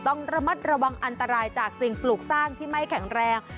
ต้องระมัดระวังอันตรายจากสิ่งปลูกสร้างที่ไม่แข็งแรง